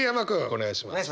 お願いします。